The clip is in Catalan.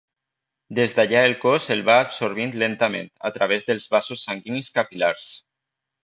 Des d'allà el cos el va absorbint lentament a través dels vasos sanguinis capil·lars.